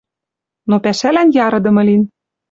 Но пӓшӓлӓн ярыдымы лин.